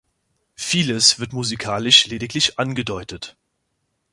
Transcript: Vieles wird musikalisch lediglich angedeutet.